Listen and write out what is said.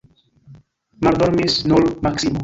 Maldormis nur Maksimo.